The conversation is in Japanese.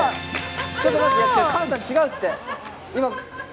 ちょっと待ってカンさん違うって。